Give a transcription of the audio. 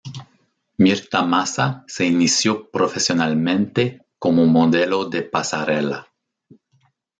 Mirta Massa se inició profesionalmente como modelo de pasarela.